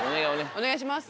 お願いします。